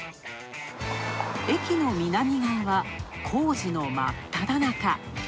駅の南側は、工事の真っただ中。